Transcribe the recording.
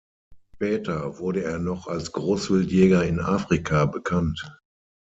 Später wurde er noch als Großwildjäger in Afrika bekannt.